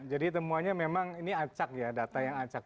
jadi temuannya memang ini acak ya data yang acak